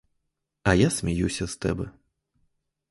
А я сміюся з тебе.